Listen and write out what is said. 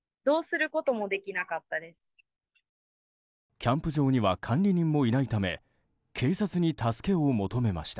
キャンプ場には管理人もいないため警察に助けを求めました。